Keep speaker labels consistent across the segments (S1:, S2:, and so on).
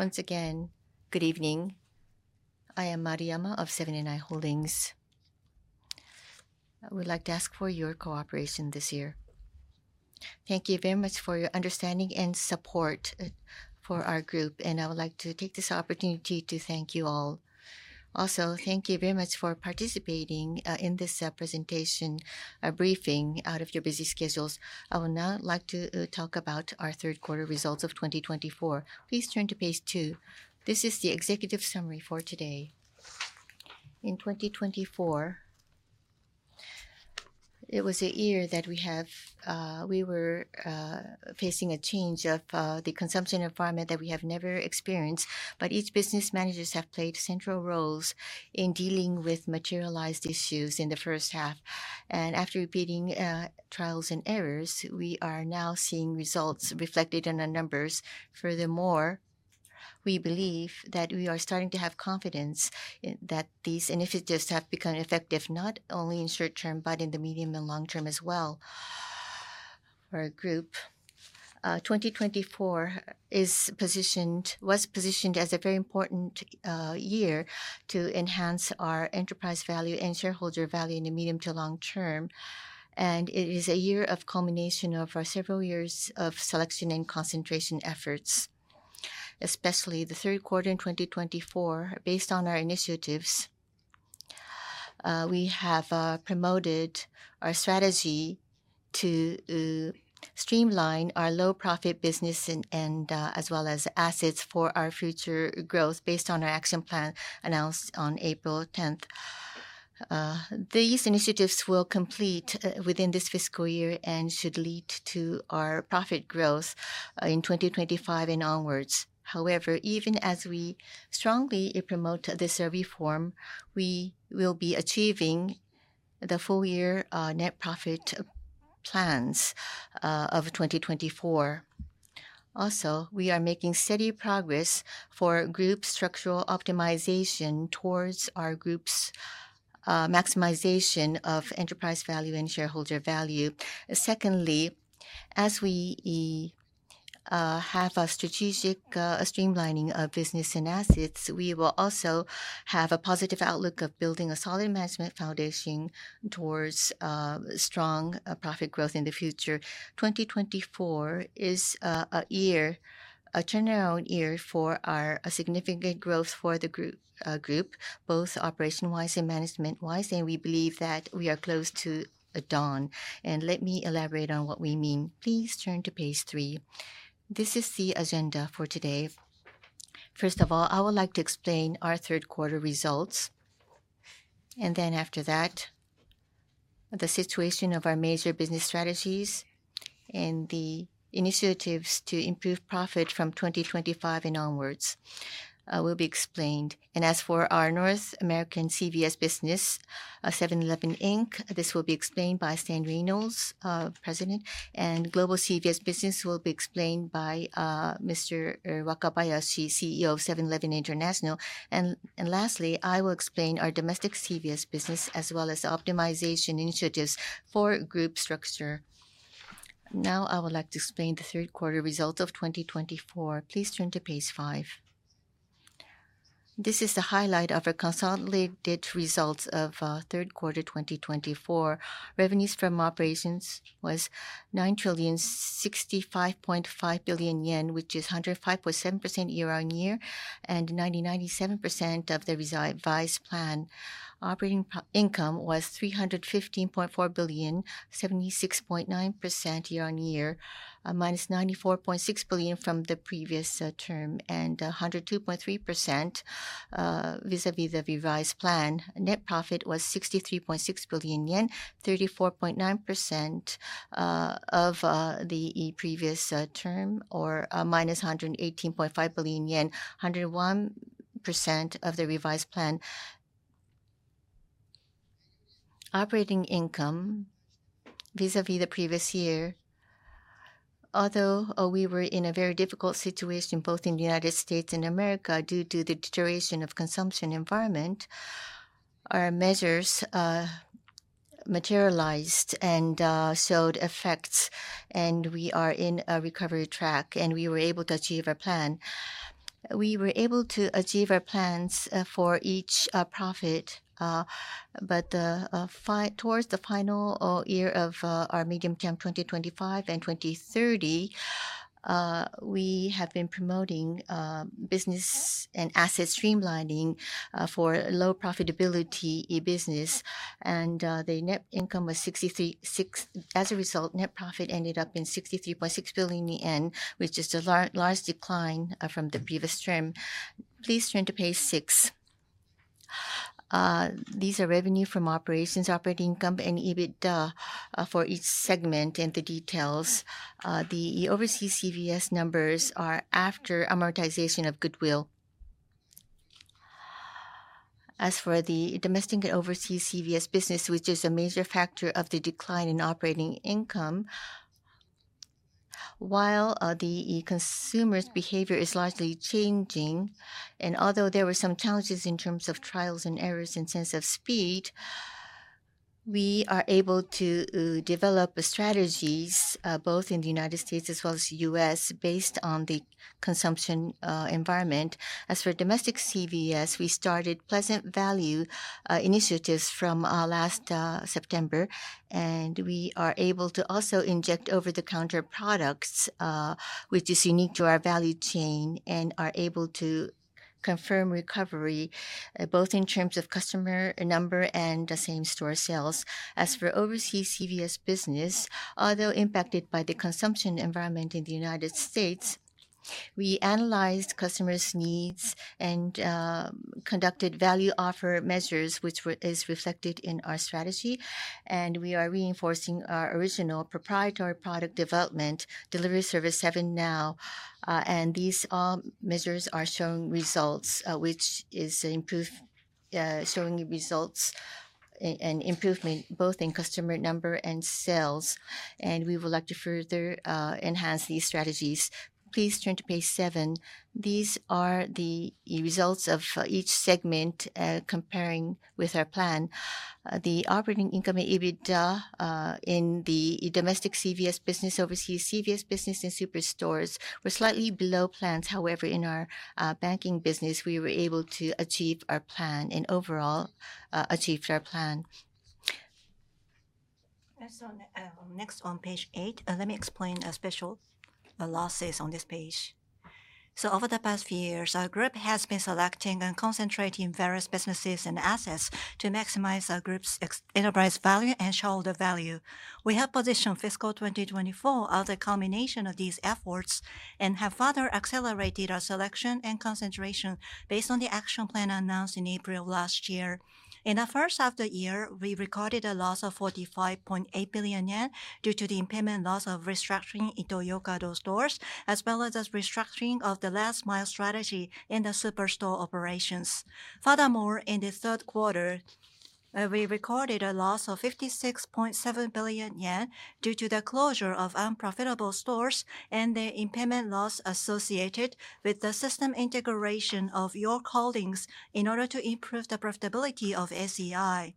S1: Once again, good evening. I am Maruyama of Seven & i Holdings. I would like to ask for your cooperation this year. Thank you very much for your understanding and support for our group, and I would like to take this opportunity to thank you all. Also, thank you very much for participating in this presentation or briefing out of your busy schedules. I would now like to talk about our third quarter results of 2024. Please turn to page two. This is the executive summary for today. In 2024, it was a year that we were facing a change of the consumption environment that we have never experienced, but each business manager has played central roles in dealing with materialized issues in the first half, and after repeating trials and errors, we are now seeing results reflected in our numbers. Furthermore, we believe that we are starting to have confidence that these initiatives have become effective not only in short term but in the medium and long term as well for our group. 2024 was positioned as a very important year to enhance our enterprise value and shareholder value in the medium to long term, and it is a year of culmination of our several years of selection and concentration efforts, especially the third quarter in 2024. Based on our initiatives, we have promoted our strategy to streamline our low-profit business as well as assets for our future growth based on our action plan announced on April 10th. These initiatives will complete within this fiscal year and should lead to our profit growth in 2025 and onwards. However, even as we strongly promote this reform, we will be achieving the full-year net profit plans of 2024. Also, we are making steady progress for group structural optimization towards our group's maximization of enterprise value and shareholder value. Secondly, as we have a strategic streamlining of business and assets, we will also have a positive outlook of building a solid management foundation towards strong profit growth in the future. 2024 is a year, a turnaround year for our significant growth for the group, both operation-wise and management-wise, and we believe that we are close to a dawn. And let me elaborate on what we mean. Please turn to page three. This is the agenda for today. First of all, I would like to explain our third quarter results, and then after that, the situation of our major business strategies and the initiatives to improve profit from 2025 and onwards will be explained. As for our North American CVS business, this will be explained by Stan Reynolds, President, and Global CVS business will be explained by Mr. Wakabayashi, CEO of 7-Eleven International. Lastly, I will explain our domestic CVS business as well as optimization initiatives for group structure. Now, I would like to explain the third quarter results of 2024. Please turn to page five. This is the highlight of our consolidated results of third quarter 2024. Revenues from operations was 9,065.5 billion yen, which is 105.7% year-on-year and 99.7% of the revised plan. Operating income was 315.4 billion, 76.9% year-on-year, -94.6 billion from the previous term, and 102.3% vis-à-vis the revised plan. Net profit was 63.6 billion yen, 34.9% of the previous term, or -118.5 billion yen, 101% of the revised plan. Operating income vis-à-vis the previous year, although we were in a very difficult situation both in the United States of America due to the deterioration of the consumption environment, our measures materialized and showed effects, and we are in a recovery track, and we were able to achieve our plan. We were able to achieve our plans for each profit, but towards the final year of our medium term 2025 and 2030, we have been promoting business and asset streamlining for low profitability business, and the net income was 63.6. As a result, net profit ended up in 63.6 billion yen, which is a large decline from the previous term. Please turn to page six. These are revenue from operations, operating income, and EBITDA for each segment and the details. The overseas CVS numbers are after amortization of goodwill. As for the domestic and overseas CVS business, which is a major factor of the decline in operating income, while the consumer's behavior is largely changing, and although there were some challenges in terms of trials and errors and sense of speed, we are able to develop strategies both in the United States as well as the U.S. based on the consumption environment. As for domestic CVS, we started Pleasant Value initiatives from last September, and we are able to also inject over-the-counter products, which is unique to our value chain, and are able to confirm recovery both in terms of customer number and same-store sales. As for overseas CVS business, although impacted by the consumption environment in the United States, we analyzed customers' needs and conducted value offer measures, which is reflected in our strategy, and we are reinforcing our original proprietary product development, delivery service 7NOW, and these measures are showing results and improvement both in customer number and sales, and we would like to further enhance these strategies. Please turn to page seven. These are the results of each segment comparing with our plan. The operating income and EBITDA in the domestic CVS business, overseas CVS business, and superstores were slightly below plans. However, in our banking business, we were able to achieve our plan and overall achieved our plan. Next, on page eight, let me explain special losses on this page. So, over the past few years, our group has been selecting and concentrating various businesses and assets to maximize our group's enterprise value and shareholder value. We have positioned fiscal 2024 as a culmination of these efforts and have further accelerated our selection and concentration based on the action plan announced in April of last year. In the first half of the year, we recorded a loss of 45.8 billion yen due to the impairment loss of restructuring in Ito-Yokado stores, as well as restructuring of the last-mile strategy in the superstore operations. Furthermore, in the third quarter, we recorded a loss of 56.7 billion yen due to the closure of unprofitable stores and the impairment loss associated with the system integration of York Holdings in order to improve the profitability of SEI.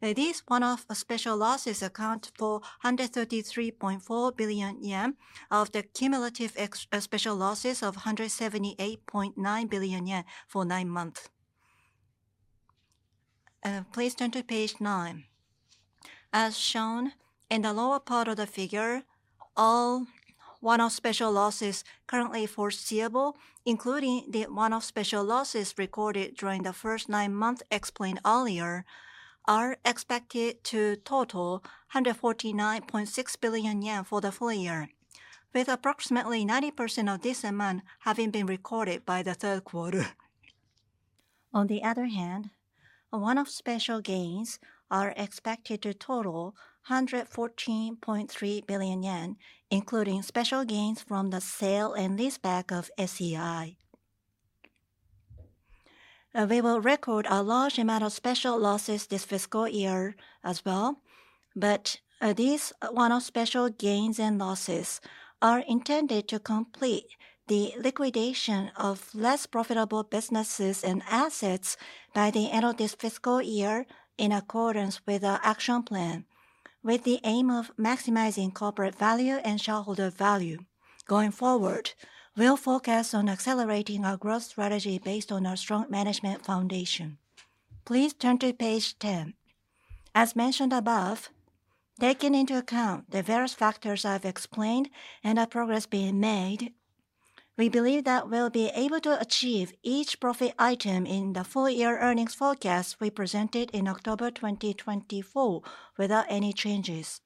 S1: These one-off special losses account for 133.4 billion yen of the cumulative special losses of 178.9 billion yen for nine months. Please turn to page nine. As shown in the lower part of the figure, all one-off special losses currently foreseeable, including the one-off special losses recorded during the first nine months explained earlier, are expected to total 149.6 billion yen for the full year, with approximately 90% of this amount having been recorded by the third quarter. On the other hand, one-off special gains are expected to total 114.3 billion yen, including special gains from the sale and lease back of SEI. We will record a large amount of special losses this fiscal year as well, but these one-off special gains and losses are intended to complete the liquidation of less profitable businesses and assets by the end of this fiscal year in accordance with our action plan, with the aim of maximizing corporate value and shareholder value. Going forward, we'll focus on accelerating our growth strategy based on our strong management foundation. Please turn to page 10. As mentioned above, taking into account the various factors I've explained and the progress being made, we believe that we'll be able to achieve each profit item in the full-year earnings forecast we presented in October 2024 without any changes.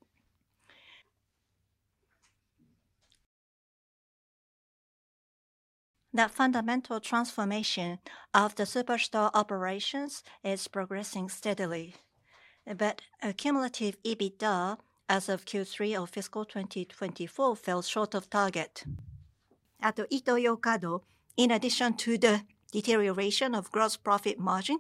S1: The fundamental transformation of the superstore operations is progressing steadily, but cumulative EBITDA as of Q3 of fiscal 2024 fell short of target. At Ito-Yokado, in addition to the deterioration of gross profit margin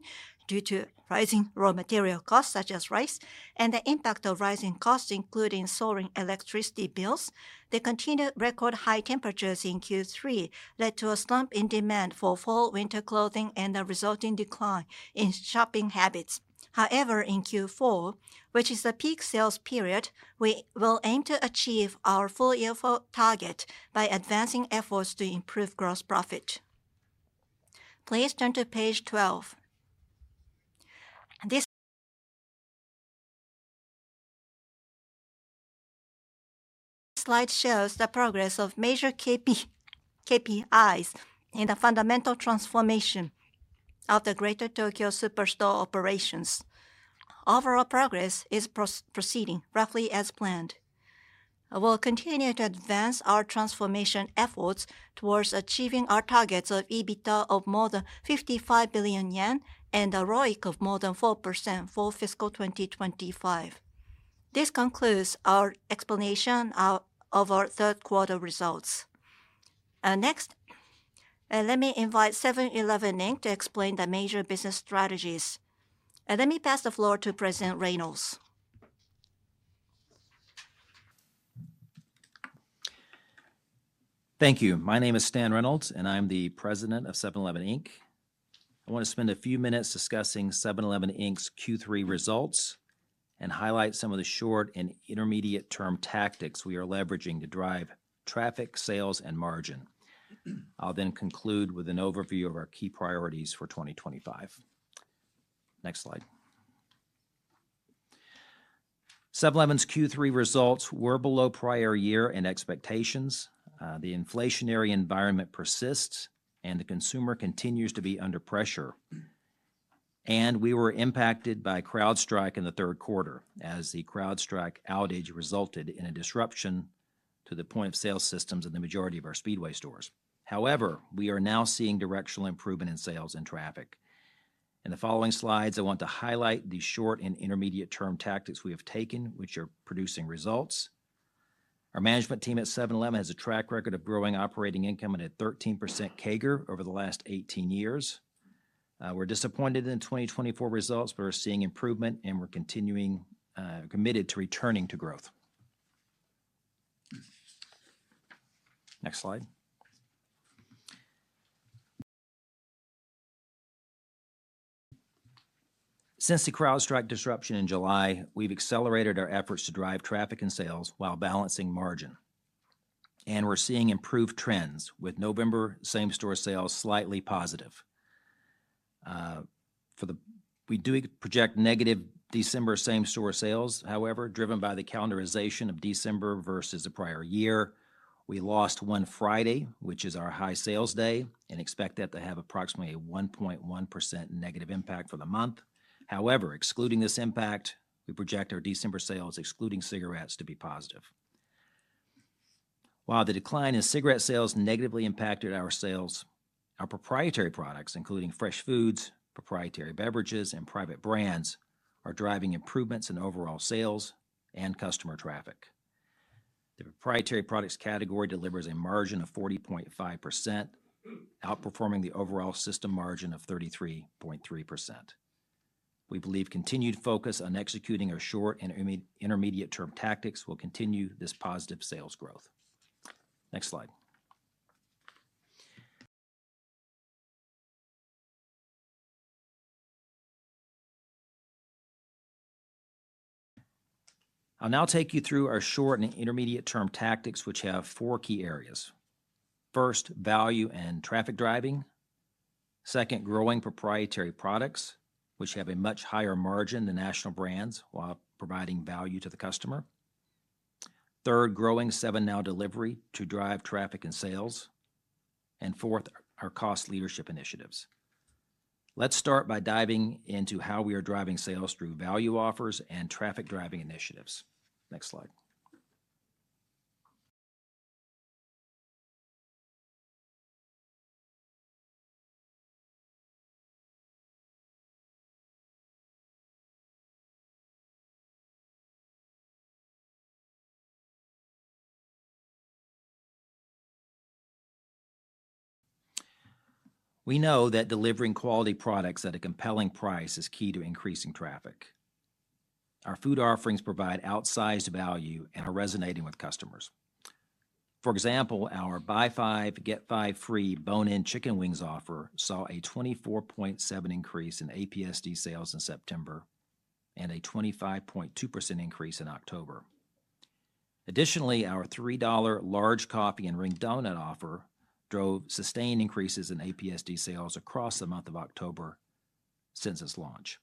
S1: due to rising raw material costs such as rice and the impact of rising costs, including soaring electricity bills, the continued record high temperatures in Q3 led to a slump in demand for fall winter clothing and the resulting decline in shopping habits. However, in Q4, which is the peak sales period, we will aim to achieve our full-year target by advancing efforts to improve gross profit. Please turn to page 12. This slide shows the progress of major KPIs in the fundamental transformation of the Greater Tokyo Superstore operations. Overall progress is proceeding roughly as planned. We'll continue to advance our transformation efforts towards achieving our targets of EBITDA of more than 55 billion yen and a ROIC of more than 4% for fiscal 2025. This concludes our explanation of our third quarter results. Next, let me invite Seven & i Holdings to explain the major business strategies. Let me pass the floor to President Reynolds.
S2: Thank you. My name is Stan Reynolds, and I'm the President of 7-Eleven Inc. I want to spend a few minutes discussing Seven & i Holdings' Q3 results and highlight some of the short and intermediate-term tactics we are leveraging to drive traffic, sales, and margin. I'll then conclude with an overview of our key priorities for 2025. Next slide. 7-Eleven's Q3 results were below prior year and expectations. The inflationary environment persists, and the consumer continues to be under pressure, and we were impacted by CrowdStrike in the third quarter, as the CrowdStrike outage resulted in a disruption to the point of sale systems in the majority of our Speedway stores. However, we are now seeing directional improvement in sales and traffic. In the following slides, I want to highlight the short and intermediate-term tactics we have taken, which are producing results. Our management team at 7-Eleven has a track record of growing operating income at a 13% CAGR over the last 18 years. We're disappointed in the 2024 results, but we're seeing improvement, and we're committed to returning to growth. Next slide. Since the CrowdStrike disruption in July, we've accelerated our efforts to drive traffic and sales while balancing margin, and we're seeing improved trends, with November same-store sales slightly positive. We do project negative December same-store sales, however, driven by the calendarization of December versus the prior year. We lost one Friday, which is our high sales day, and expect that to have approximately a 1.1% negative impact for the month. However, excluding this impact, we project our December sales, excluding cigarettes, to be positive. While the decline in cigarette sales negatively impacted our sales, our proprietary products, including fresh foods, proprietary beverages, and private brands, are driving improvements in overall sales and customer traffic. The proprietary products category delivers a margin of 40.5%, outperforming the overall system margin of 33.3%. We believe continued focus on executing our short and intermediate-term tactics will continue this positive sales growth. Next slide. I'll now take you through our short and intermediate-term tactics, which have four key areas. First, value and traffic driving. Second, growing proprietary products, which have a much higher margin than national brands while providing value to the customer. Third, growing 7NOW delivery to drive traffic and sales. And fourth, our cost leadership initiatives. Let's start by diving into how we are driving sales through value offers and traffic driving initiatives. Next slide. We know that delivering quality products at a compelling price is key to increasing traffic. Our food offerings provide outsized value and are resonating with customers. For example, our Buy Five, Get Five Free bone-in chicken wings offer saw a 24.7% increase in APSD sales in September and a 25.2% increase in October. Additionally, our $3 large coffee and ring donut offer drove sustained increases in APSD sales across the month of October since its launch.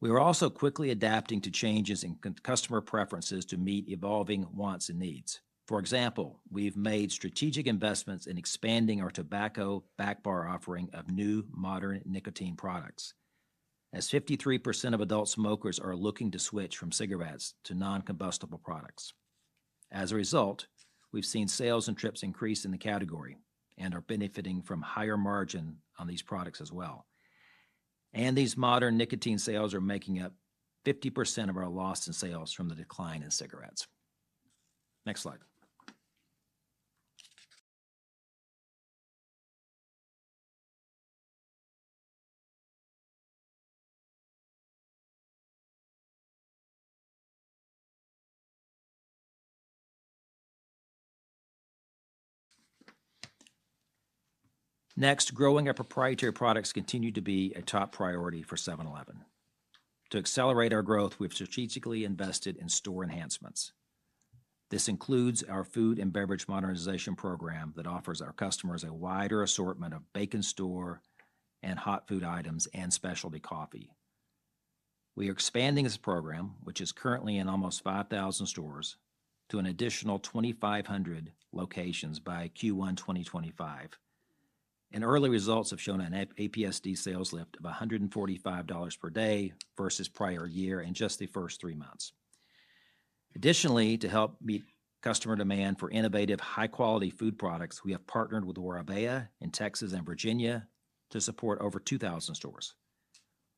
S2: We are also quickly adapting to changes in customer preferences to meet evolving wants and needs. For example, we've made strategic investments in expanding our tobacco back bar offering of new modern nicotine products, as 53% of adult smokers are looking to switch from cigarettes to non-combustible products. As a result, we've seen sales and trips increase in the category and are benefiting from higher margin on these products as well. These modern nicotine sales are making up 50% of our loss in sales from the decline in cigarettes. Next slide. Next, growing our proprietary products continue to be a top priority for Seven & i Holdings. To accelerate our growth, we've strategically invested in store enhancements. This includes our food and beverage modernization program that offers our customers a wider assortment of bake-in-store and hot food items and specialty coffee. We are expanding this program, which is currently in almost 5,000 stores, to an additional 2,500 locations by Q1 2025. Early results have shown an APSD sales lift of $145 per day versus prior year in just the first three months. Additionally, to help meet customer demand for innovative, high-quality food products, we have partnered with Warabeya in Texas and Virginia to support over 2,000 stores.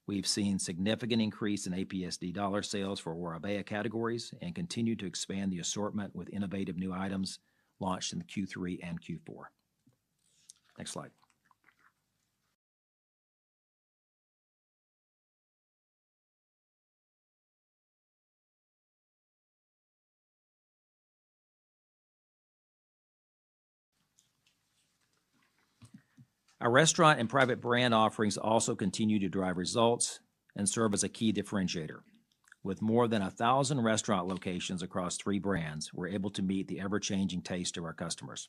S2: We've seen a significant increase in APSD sales for Warabeya categories and continue to expand the assortment with innovative new items launched in Q3 and Q4. Next slide. Our restaurant and private brand offerings also continue to drive results and serve as a key differentiator. With more than 1,000 restaurant locations across three brands, we're able to meet the ever-changing taste of our customers.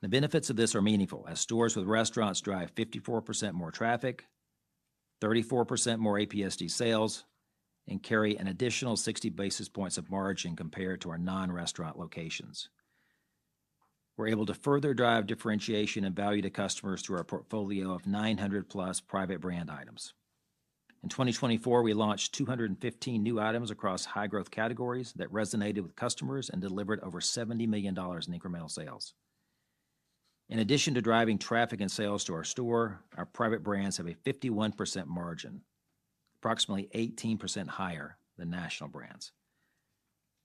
S2: The benefits of this are meaningful, as stores with restaurants drive 54% more traffic, 34% more APSD sales, and carry an additional 60 basis points of margin compared to our non-restaurant locations. We're able to further drive differentiation and value to customers through our portfolio of 900+ private brand items. In 2024, we launched 215 new items across high-growth categories that resonated with customers and delivered over $70 million in incremental sales. In addition to driving traffic and sales to our store, our private brands have a 51% margin, approximately 18% higher than national brands.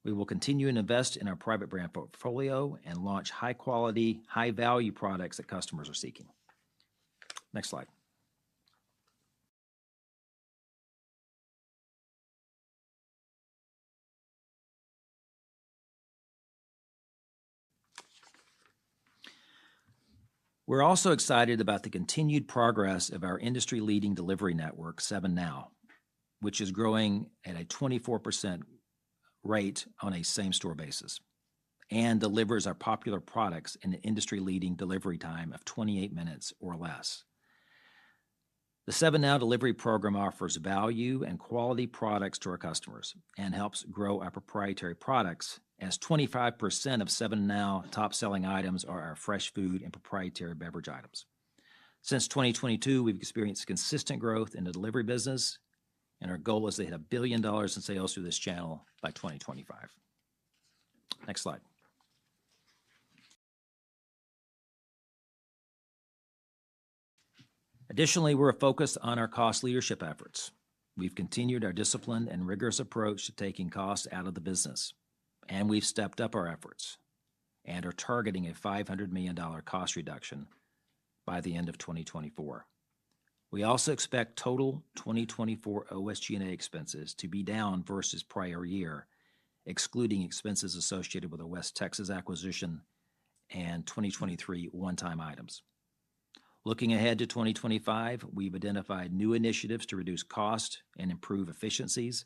S2: We will continue to invest in our private brand portfolio and launch high-quality, high-value products that customers are seeking. Next slide. We're also excited about the continued progress of our industry-leading delivery network, 7NOW, which is growing at a 24% rate on a same-store basis and delivers our popular products in an industry-leading delivery time of 28 minutes or less. The 7NOW delivery program offers value and quality products to our customers and helps grow our proprietary products, as 25% of 7NOW's top-selling items are our fresh food and proprietary beverage items. Since 2022, we've experienced consistent growth in the delivery business, and our goal is to hit $1 billion in sales through this channel by 2025. Next slide. Additionally, we're focused on our cost leadership efforts. We've continued our disciplined and rigorous approach to taking costs out of the business, and we've stepped up our efforts and are targeting a $500 million cost reduction by the end of 2024. We also expect total 2024 OSG&A expenses to be down versus prior year, excluding expenses associated with a West Texas acquisition and 2023 one-time items. Looking ahead to 2025, we've identified new initiatives to reduce costs and improve efficiencies.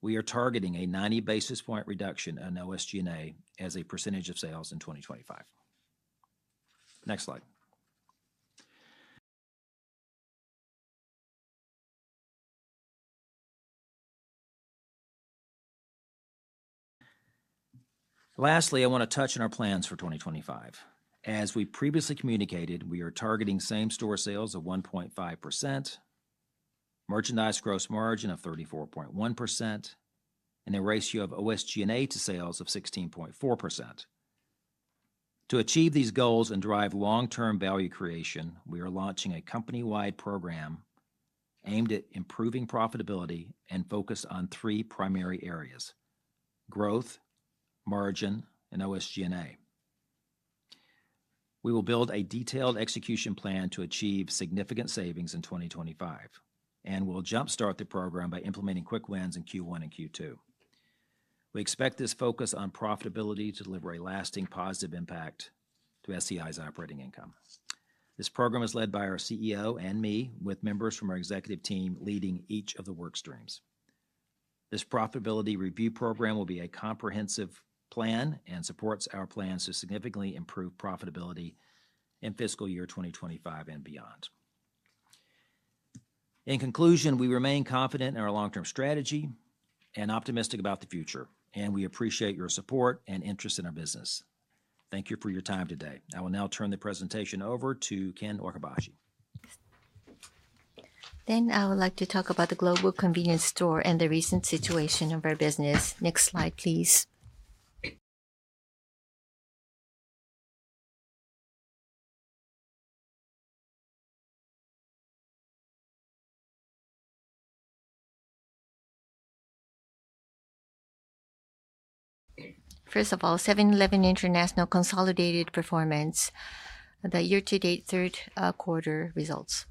S2: We are targeting a 90 basis point reduction in OSG&A as a percentage of sales in 2025. Next slide. Lastly, I want to touch on our plans for 2025. As we previously communicated, we are targeting same-store sales of 1.5%, merchandise gross margin of 34.1%, and a ratio of OSG&A to sales of 16.4%. To achieve these goals and drive long-term value creation, we are launching a company-wide program aimed at improving profitability and focused on three primary areas: growth, margin, and OSG&A. We will build a detailed execution plan to achieve significant savings in 2025, and we'll jump-start the program by implementing quick wins in Q1 and Q2. We expect this focus on profitability to deliver a lasting positive impact to SEI's operating income. This program is led by our CEO and me, with members from our executive team leading each of the work streams. This profitability review program will be a comprehensive plan and supports our plans to significantly improve profitability in fiscal year 2025 and beyond. In conclusion, we remain confident in our long-term strategy and optimistic about the future, and we appreciate your support and interest in our business. Thank you for your time today. I will now turn the presentation over to Ken Wakabayashi.
S3: Then I would like to talk about the global convenience store and the recent situation of our business. Next slide, please. First of all, 7-Eleven International consolidated performance, the year-to-date third quarter results.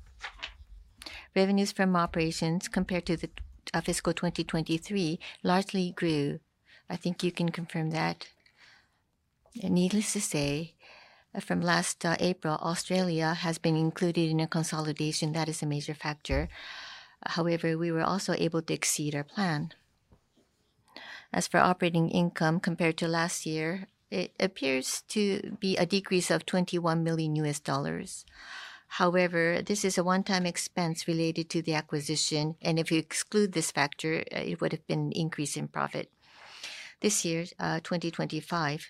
S3: Revenues from operations compared to the fiscal 2023 largely grew. I think you can confirm that. Needless to say, from last April, Australia has been included in a consolidation. That is a major factor. However, we were also able to exceed our plan. As for operating income compared to last year, it appears to be a decrease of $21 million. However, this is a one-time expense related to the acquisition, and if you exclude this factor, it would have been an increase in profit. This year, 2025,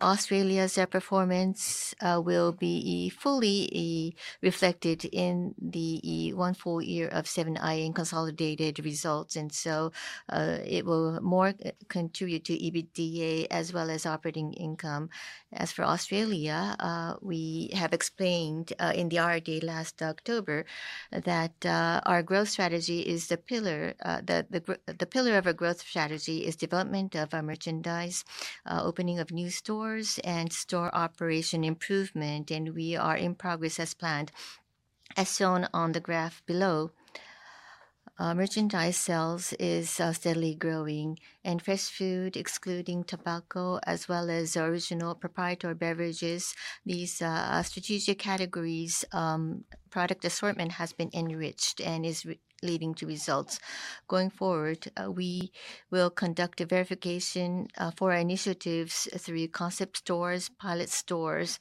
S3: Australia's performance will be fully reflected in the one full year of Seven & i consolidated results, and so it will more contribute to EBITDA as well as operating income. As for Australia, we have explained in the IR Day last October that our growth strategy is the pillar of our growth strategy: development of our merchandise, opening of new stores, and store operation improvement, and we are in progress as planned, as shown on the graph below. Merchandise sales are steadily growing, and fresh food, excluding tobacco, as well as original proprietary beverages, these strategic categories, product assortment has been enriched and is leading to results. Going forward, we will conduct a verification for our initiatives through concept stores, pilot stores,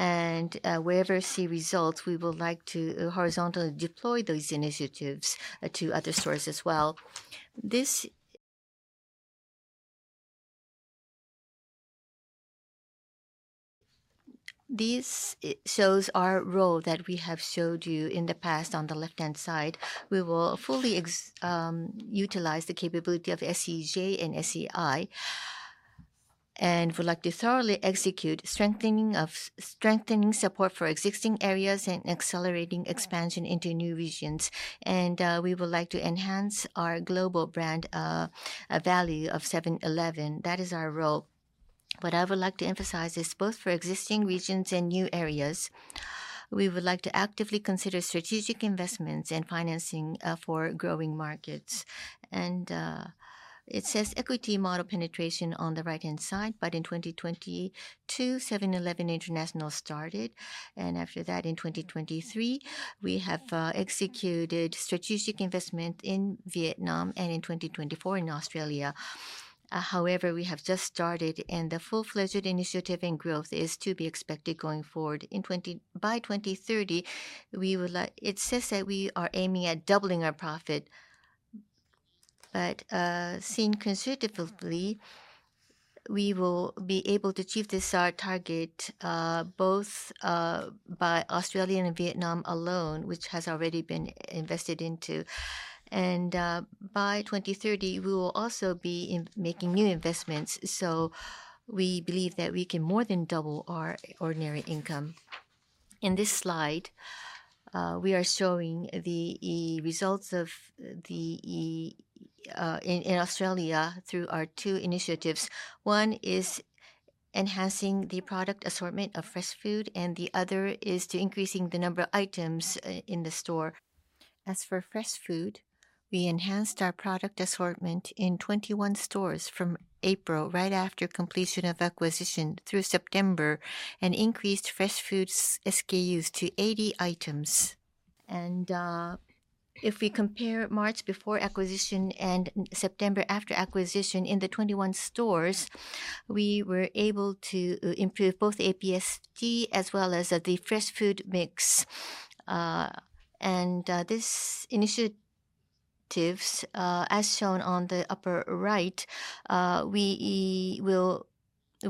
S3: and wherever we see results, we would like to horizontally deploy those initiatives to other stores as well. This shows our role that we have showed you in the past. On the left-hand side, we will fully utilize the capability of SEJ and SEI, and we'd like to thoroughly execute strengthening support for existing areas and accelerating expansion into new regions, and we would like to enhance our global brand value of Seven & i Holdings. That is our role. What I would like to emphasize is both for existing regions and new areas. We would like to actively consider strategic investments and financing for growing markets, and it says equity method penetration on the right-hand side, but in 2022, 7-Eleven International started, and after that, in 2023, we have executed strategic investment in Vietnam and in 2024 in Australia. However, we have just started, and the full-fledged initiative and growth is to be expected going forward. By 2030, it says that we are aiming at doubling our profit, but seen conservatively, we will be able to achieve this target both in Australia and Vietnam alone, which has already been invested into, and by 2030, we will also be making new investments, so we believe that we can more than double our ordinary income. In this slide, we are showing the results in Australia through our two initiatives. One is enhancing the product assortment of fresh food, and the other is to increase the number of items in the store. As for fresh food, we enhanced our product assortment in 21 stores from April, right after completion of acquisition, through September, and increased fresh food SKUs to 80 items. And if we compare March before acquisition and September after acquisition in the 21 stores, we were able to improve both APSD as well as the fresh food mix. And this initiative, as shown on the upper right, we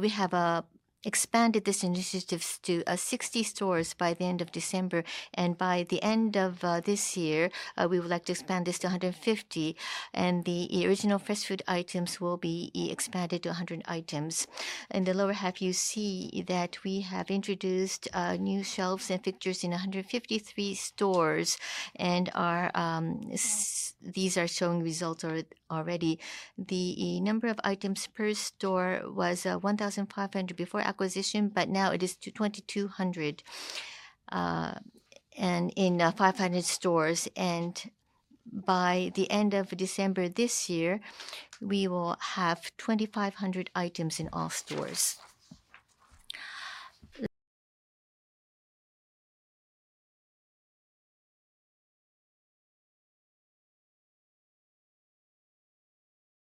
S3: have expanded this initiative to 60 stores by the end of December, and by the end of this year, we would like to expand this to 150, and the original fresh food items will be expanded to 100 items. In the lower half, you see that we have introduced new shelves and fixtures in 153 stores, and these are showing results already. The number of items per store was 1,500 before acquisition, but now it is to 2,200 in 500 stores. And by the end of December this year, we will have 2,500 items in all stores.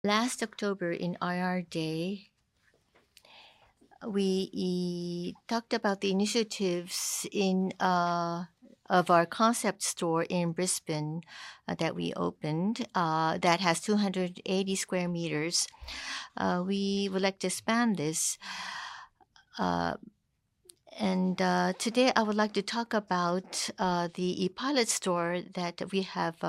S3: Last October in our R&D, we talked about the initiatives of our concept store in Brisbane that we opened that has 280 sq m. We would like to expand this. Today, I would like to talk about the pilot store that we have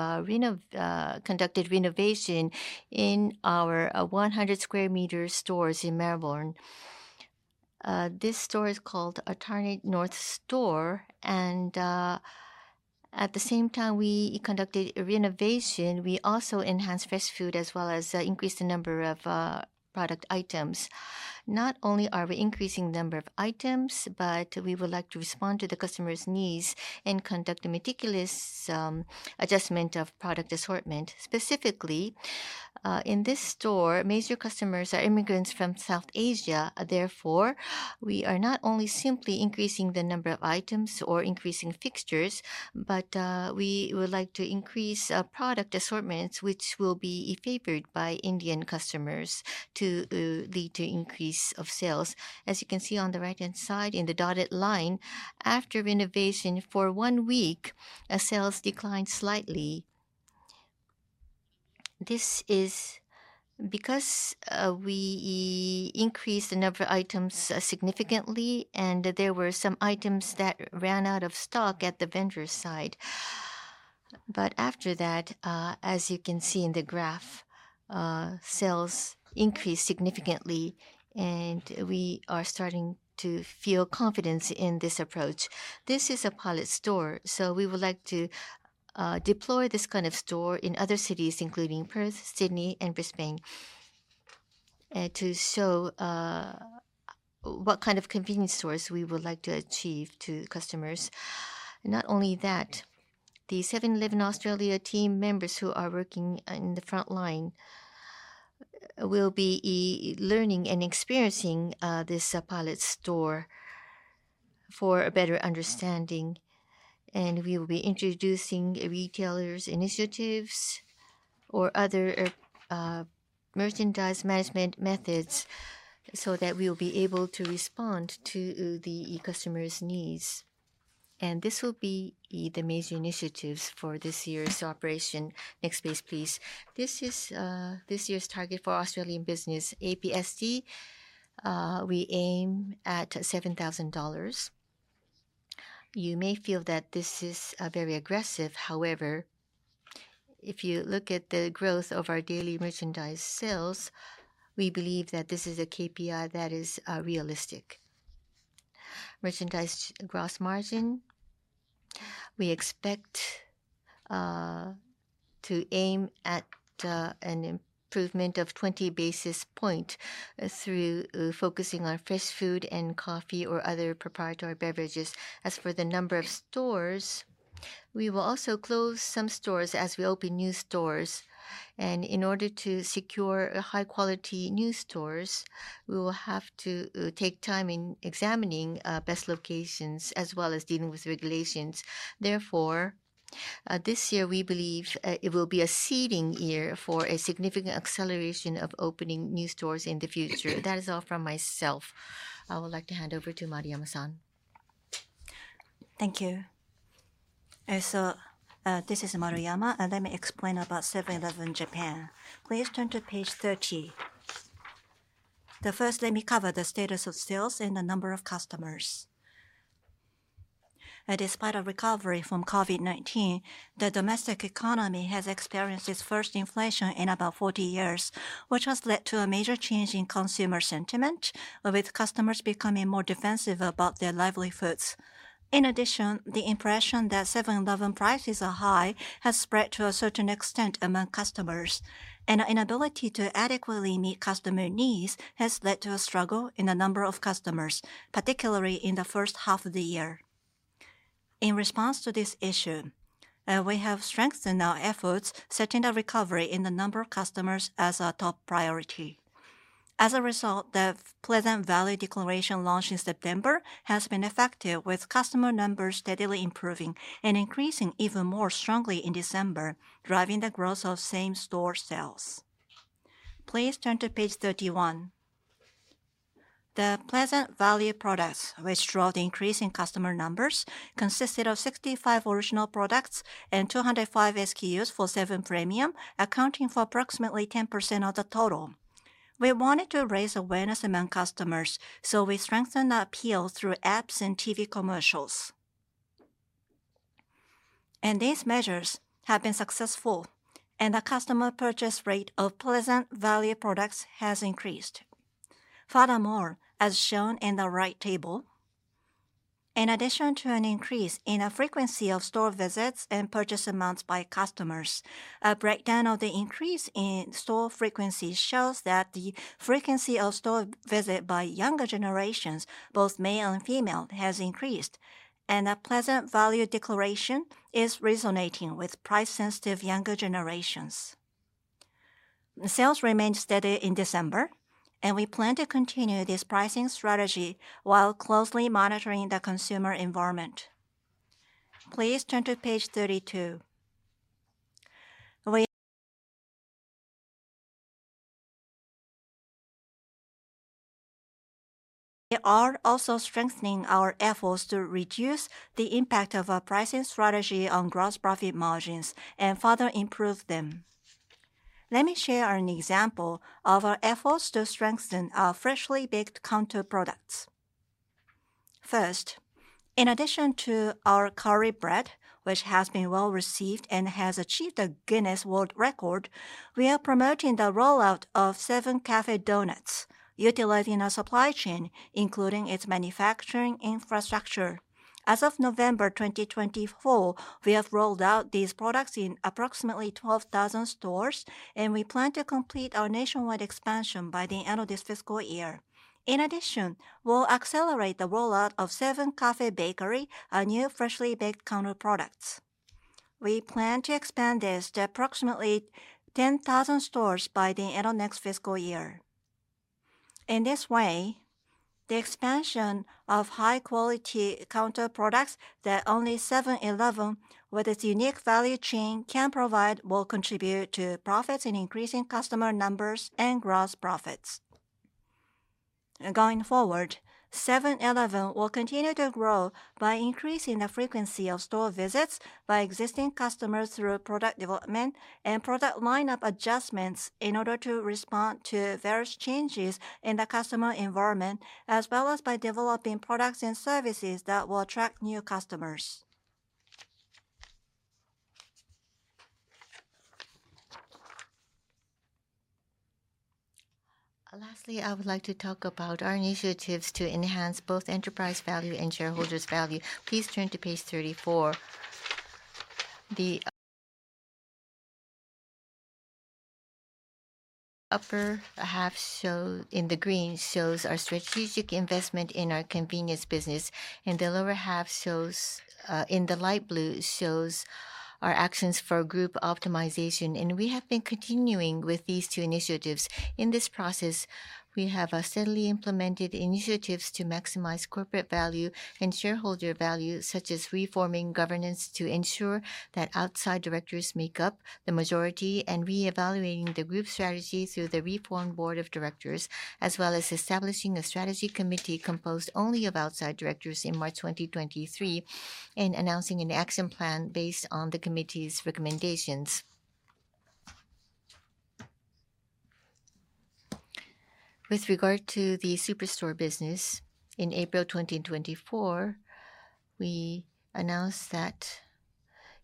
S3: conducted renovation in our 100 sq m stores in Melbourne. This store is called Artarmon North Store, and at the same time we conducted renovation, we also enhanced fresh food as well as increased the number of product items. Not only are we increasing the number of items, but we would like to respond to the customer's needs and conduct a meticulous adjustment of product assortment. Specifically, in this store, major customers are immigrants from South Asia. Therefore, we are not only simply increasing the number of items or increasing fixtures, but we would like to increase product assortments, which will be favored by Indian customers to lead to an increase of sales. As you can see on the right-hand side in the dotted line, after renovation for one week, sales declined slightly. This is because we increased the numbers of items significantly, and there were some items that ran out of stock at the vendor side. But after that, as you can see in the graph, sales increased significantly, and we are starting to feel confidence in this approach. This is a pilot store, so we would like to deploy this kind of store in other cities, including Perth, Sydney, and Brisbane, to show what kind of convenience stores we would like to achieve for customers. Not only that, the 7-Eleven Australia team members who are working in the front line will be learning and experiencing this pilot store for a better understanding, and we will be introducing retailers' initiatives or other merchandise management methods so that we will be able to respond to the customer's needs, and this will be the major initiatives for this year's operation. Next page, please. This is this year's target for Australian business. APSD, we aim at 7,000 dollars. You may feel that this is very aggressive. However, if you look at the growth of our daily merchandise sales, we believe that this is a KPI that is realistic. Merchandise gross margin, we expect to aim at an improvement of 20 basis points through focusing on fresh food and coffee or other proprietary beverages. As for the number of stores, we will also close some stores as we open new stores. And in order to secure high-quality new stores, we will have to take time in examining best locations as well as dealing with regulations. Therefore, this year, we believe it will be a seeding year for a significant acceleration of opening new stores in the future. That is all from myself. I would like to hand over to Maruyama-san.
S1: Thank you, so this is Maruyama, and let me explain about 7-Eleven Japan. Please turn to page 30. First, let me cover the status of sales and the number of customers. Despite a recovery from COVID-19, the domestic economy has experienced its first inflation in about 40 years, which has led to a major change in consumer sentiment, with customers becoming more defensive about their livelihoods. In addition, the impression that 7-Eleven prices are high has spread to a certain extent among customers, and the inability to adequately meet customer needs has led to a struggle in the number of customers, particularly in the first half of the year. In response to this issue, we have strengthened our efforts, setting the recovery in the number of customers as a top priority. As a result, the Pleasant Value Declaration launched in September has been effective, with customer numbers steadily improving and increasing even more strongly in December, driving the growth of same-store sales. Please turn to page 31. The Pleasant Value products, which drove the increase in customer numbers, consisted of 65 original products and 205 SKUs for 7-Premium, accounting for approximately 10% of the total. We wanted to raise awareness among customers, so we strengthened our appeal through ads and TV commercials. These measures have been successful, and the customer purchase rate of Pleasant Value products has increased. Furthermore, as shown in the right table, in addition to an increase in the frequency of store visits and purchase amounts by customers, a breakdown of the increase in store frequency shows that the frequency of store visits by younger generations, both male and female, has increased, and the Pleasant Value Declaration is resonating with price-sensitive younger generations. Sales remained steady in December, and we plan to continue this pricing strategy while closely monitoring the consumer environment. Please turn to page 32. We are also strengthening our efforts to reduce the impact of our pricing strategy on gross profit margins and further improve them. Let me share an example of our efforts to strengthen our freshly baked counter products. First, in addition to our curry bread, which has been well received and has achieved a Guinness World Record, we are promoting the rollout of 7-Cafe Donuts, utilizing our supply chain, including its manufacturing infrastructure. As of November 2024, we have rolled out these products in approximately 12,000 stores, and we plan to complete our nationwide expansion by the end of this fiscal year. In addition, we'll accelerate the rollout of 7-Cafe Bakery, our new freshly baked counter products. We plan to expand this to approximately 10,000 stores by the end of next fiscal year. In this way, the expansion of high-quality counter products that only 7-Eleven, with its unique value chain, can provide will contribute to profits and increasing customer numbers and gross profits. Going forward, 7-Eleven will continue to grow by increasing the frequency of store visits by existing customers through product development and product lineup adjustments in order to respond to various changes in the customer environment, as well as by developing products and services that will attract new customers. Lastly, I would like to talk about our initiatives to enhance both enterprise value and shareholders' value. Please turn to page 34. The upper half shows, in the green, our strategic investment in our convenience business, and the lower half shows, in the light blue, our actions for group optimization, and we have been continuing with these two initiatives. In this process, we have steadily implemented initiatives to maximize corporate value and shareholder value, such as reforming governance to ensure that outside directors make up the majority and reevaluating the group strategy through the reform board of directors, as well as establishing a strategy committee composed only of outside directors in March 2023 and announcing an action plan based on the committee's recommendations. With regard to the superstore business, in April 2024, we announced that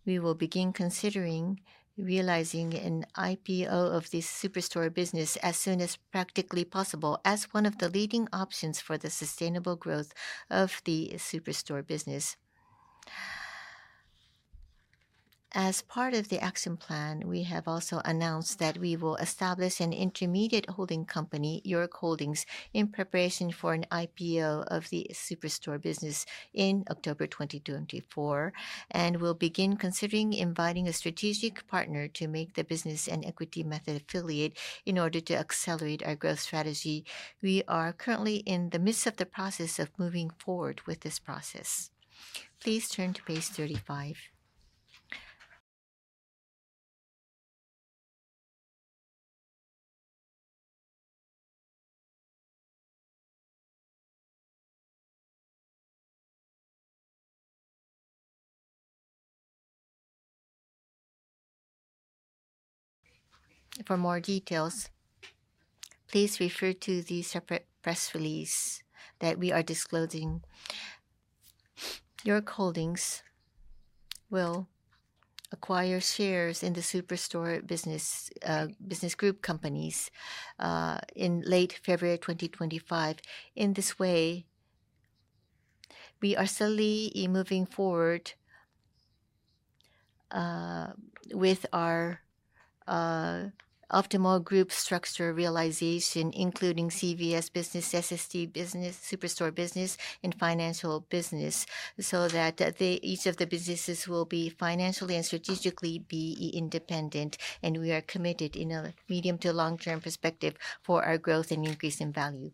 S1: we will begin considering realizing an IPO of the superstore business as soon as practically possible as one of the leading options for the sustainable growth of the superstore business. As part of the action plan, we have also announced that we will establish an intermediate holding company, York Holdings, in preparation for an IPO of the superstore business in October 2024, and we'll begin considering inviting a strategic partner to make the business an equity method affiliate in order to accelerate our growth strategy. We are currently in the midst of the process of moving forward with this process. Please turn to page 35. For more details, please refer to the separate press release that we are disclosing. York Holdings will acquire shares in the superstore business group companies in late February 2025. In this way, we are steadily moving forward with our optimal group structure realization, including CVS business, SST business, superstore business, and financial business, so that each of the businesses will be financially and strategically independent, and we are committed in a medium to long-term perspective for our growth and increase in value.